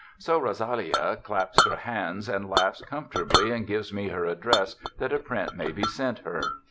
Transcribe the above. So Rosalia claps her hands and laughs comfortably and gives me her address that a print may be sent her.